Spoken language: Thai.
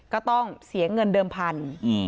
ก็ต้องเสียเงินเดิมพันธุ์